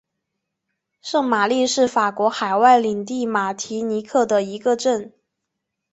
圣玛丽是法国海外领地马提尼克的一个镇。